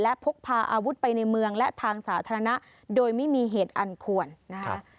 และพกพาอาวุธไปในเมืองและทางสาธารณะโดยไม่มีเหตุอันควรนะคะ